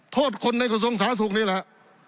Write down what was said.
โทษคนในคุณส่งสาสุขนี่แหละ